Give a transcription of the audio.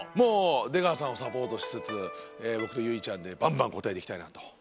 出川さんをサポートしつつボクと結実ちゃんでバンバン答えていきたいなと。